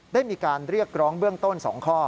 ได้มีการเรียกร้องเบื้องต้น๒ข้อ